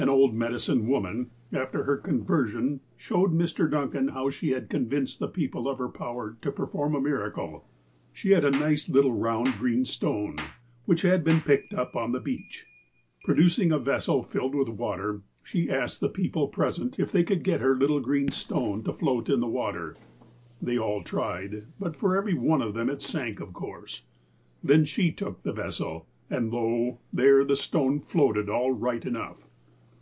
An old medicine woman, after her conversion, showed Mr. Duncan how she had convinced the people of her power to perform a miracle. She had a nice little round, green stone, which had been picked up on the beach. Producing a vessel filled with water, she asked the peo ple present if they could get her little green stone to float in the water. They all tried, but for every one of them it sank, of course. Then she took the vessel, and, lo ! there the stone floated all right enough.